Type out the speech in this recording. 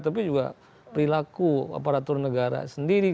tapi juga perilaku aparatur negara sendiri